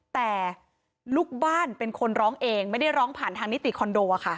แต่ลูกบ้านเป็นคนร้องเองไม่ได้ร้องผ่านทางนิติคอนโดค่ะ